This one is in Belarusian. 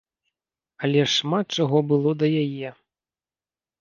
Але ж шмат чаго было да яе.